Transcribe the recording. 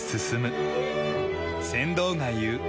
船頭が言う。